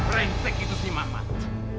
rentek itu si mamat